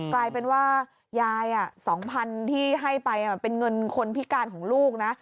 กลายเป็นว่ายาย๒๐๐๐ที่ให้ไปเป็นเงินคนพิการของลูกนะ